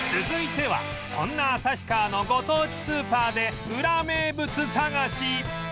続いてはそんな旭川のご当地スーパーでウラ名物探し